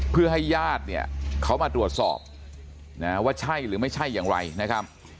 เพื่อให้ญาติเนี่ยเขามาตรวจสอบนะว่าใช่หรือไม่ใช่อย่างไรนะครับ